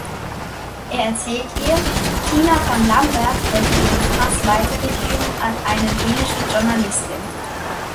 Er erzählt ihr, Tina von Lambert hätte ihren Pass weitergegeben an eine dänische Journalistin.